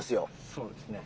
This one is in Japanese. そうですね。